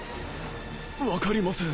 分かりません。